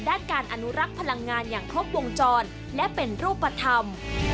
ด้านการอนุรักษ์พลังงานอย่างครบวงจรและเป็นรูปธรรม